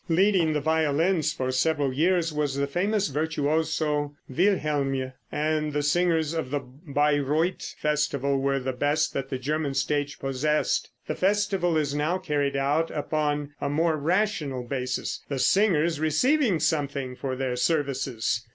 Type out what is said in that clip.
Leading the violins for several years was the famous virtuoso, Wilhelmj, and the singers of the Bayreuth festival were the best that the German stage possessed. The festival is now carried out upon a more rational basis, the singers receiving something for their services.